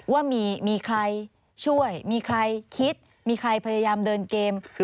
ว่ามีใครช่วยมีใครคิดมีใครพยายามเดินเกม